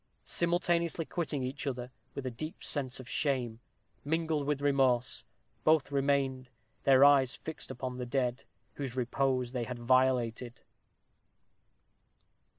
Simultaneously quitting each other, with a deep sense of shame, mingled with remorse, both remained, their eyes fixed upon the dead, whose repose they had violated.